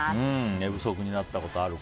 寝不足になったことあるか。